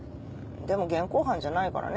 でも現行犯じゃないからね。